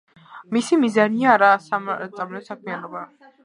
მისი მიზანია არასამეწარმეო საქმიანობა.